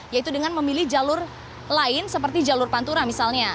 yaitu dengan memilih jalur lain seperti jalur pantura misalnya